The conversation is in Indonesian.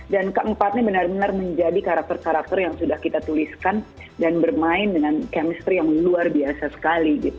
dan keempatnya benar benar menjadi karakter karakter yang sudah kita tuliskan dan bermain dengan chemistry yang luar biasa sekali gitu